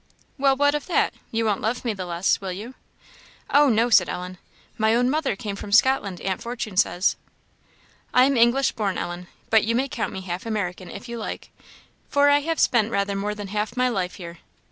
"Well, what of that? you won't love me the less, will you?" "Oh, no," said Ellen; "my own mother came from Scotland, Aunt Fortune says." "I am English born, Ellen, but you may count me half American, if you like, for I have spent rather more than half my life here.